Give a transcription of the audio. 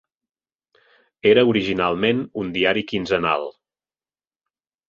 Era originalment un diari quinzenal.